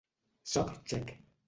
Sóc txec.